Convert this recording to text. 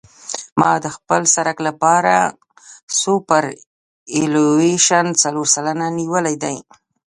ما د خپل سرک لپاره سوپرایلیویشن څلور سلنه نیولی دی